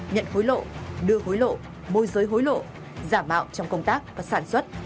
nhận hối lộ đưa hối lộ môi giới hối lộ giả mạo trong công tác và sản xuất